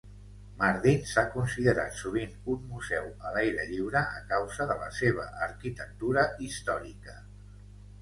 Mardin s'ha considerat sovint un museu a l'aire lliure a causa de la seva arquitectura històrica.